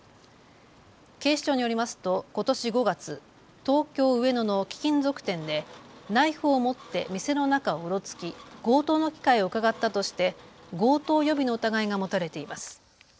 警視庁によりますとことし５月、東京上野の貴金属店でナイフを持って店の中をうろつき強盗の機会をうかがったとして強盗予備の疑いが持たれています。